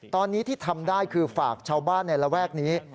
ตอนนี้ที่ทำได้คือฝากชาวบ้านในระแวกนี้